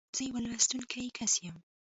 زه يو لوستونکی کس یم.